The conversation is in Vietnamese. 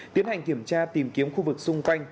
tiến hành kiểm tra tìm kiếm khu vực xung quanh